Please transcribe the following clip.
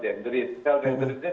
jadi kanker dan virus beda banget